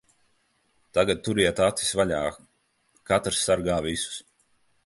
Tagad turiet acis vaļā. Katrs sargā visus.